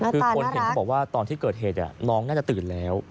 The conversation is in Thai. คือคนเห็นเขาบอกว่าตอนที่เกิดเหตุน้องน่าจะตื่นแล้ว